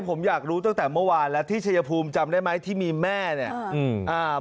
ผมอยากรู้ตั้งแต่เมื่อวานแล้วที่ชายภูมิจำได้ไหมที่มีแม่เนี่ยอืมอ่า